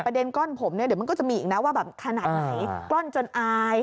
ก้อนผมเนี่ยเดี๋ยวมันก็จะมีอีกนะว่าแบบขนาดไหนกล้อนจนอาย